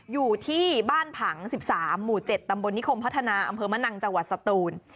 อยู่ที่บ้านผัง๑๓หมู่๗ตำบลนิคมพัฒนาอำเภอมะนังจังหวัดสตูน